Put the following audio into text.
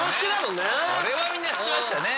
これはみんな知ってましたね。